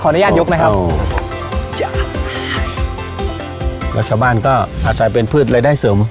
อนุญาตยกนะครับจ้ะแล้วชาวบ้านก็อาศัยเป็นพืชรายได้เสริม